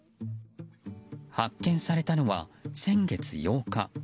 発見されたのは先月８日。